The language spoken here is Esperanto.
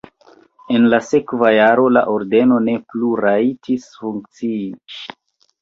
En la sekva jaro la ordeno ne plu rajtis funkcii.